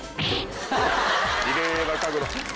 奇麗な角度。